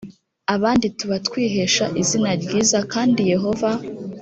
abandi tuba twihesha izina ryiza kandi yehova